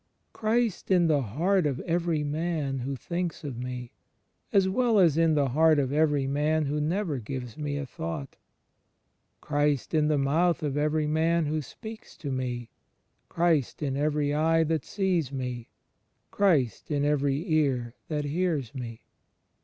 "Christ in the heart of every man who thinks of me" ... (as well as in the heart of every man who never gives me a thought). "Christ in the mouth of every man who speaks to me. Christ in every eye that sees me. Christ in every ear that hears me."